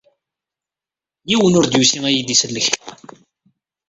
Yiwen ur d-yusi ad y-id-isellek.